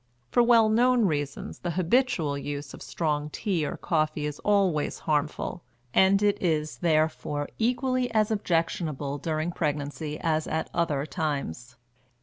For well known reasons the habitual use of strong tea or coffee is always harmful, and it is, therefore, equally as objectionable during pregnancy as at other times.